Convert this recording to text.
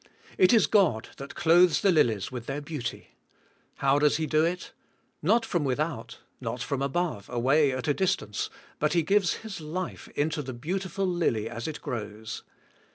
It is God that clothes the lilies with their beauty. How does He do it? Not from without, not from above, away at a distance, but He gives His life into the beautiful lily as it grows.